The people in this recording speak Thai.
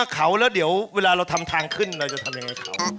เขาแล้วเดี๋ยวเวลาเราทำทางขึ้นเราจะทำยังไงเขา